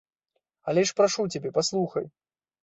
Але ж прашу цябе, паслухай.